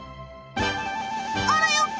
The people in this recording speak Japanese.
あらよっ！